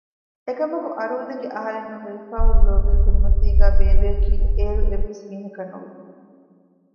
އެކަމަކު އަރޫދެކެ އަހަރެންނަށް ވެވިފައިހުރި ލޯބީގެ ކުރިމަތީގައި ބޭބެއަކީ އޭރު އެއްވެސް މީހަކަށް ނުވި